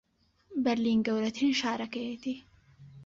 بەرلین گەورەترین شارەکەیەتی